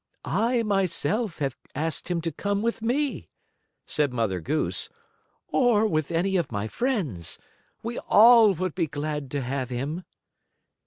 "I, myself, have asked him to come with me," said Mother Goose, "or with any of my friends. We all would be glad to have him."